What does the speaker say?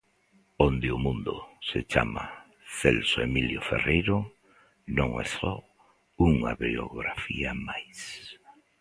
Onde o mundo se chama Celso Emilio Ferreiro non é só unha biografía máis.